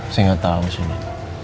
saya gak tau sumi